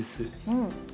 うん。